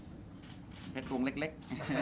หวั่นเผ็ดรูของเล็ก